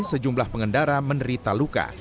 sejumlah pengendara menerita luka